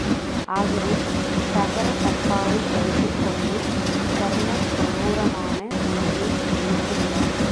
ஆகவே, தகர தப்பாவை வைத்துக் கொண்டு கர்ணகடோரமான ஒலியை எழுப்புகிறான்.